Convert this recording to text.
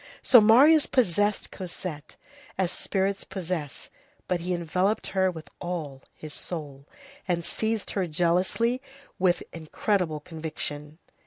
So Marius possessed Cosette, as spirits possess, but he enveloped her with all his soul, and seized her jealously with incredible conviction.